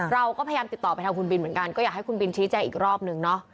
เราก็พยายามติดต่อไปทางคุณบินเหมือนกันก็อยากให้คุณบินชี้แจ้งอีกรอบนึงเนาะ